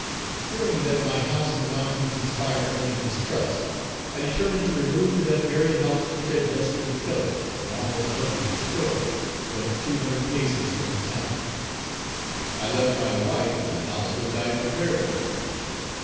Fearing that my house in the mountains inspired only distrust, I determined to remove to that very house which had just been pillaged, and almost totally destroyed, but two hundred paces from the town. I left my wife in the house which I had prepared for her.